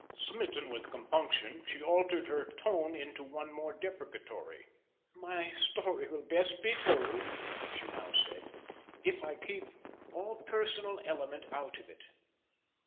Smitten with compunction, she altered her tone into one more deprecatory: "My story will be best told," she now said, "if I keep all personal element out of it.